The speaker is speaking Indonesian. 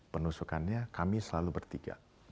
penusukannya kami selalu bertiga